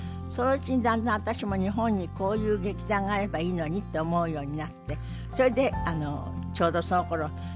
そのうちにだんだん私も日本にこういう劇団があればいいのにって思うようになってそれでちょうどそのころ